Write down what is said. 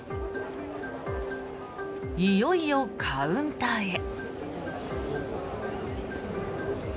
いよいよカウンターへ。